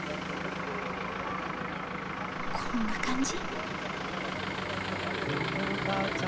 こんな感じ？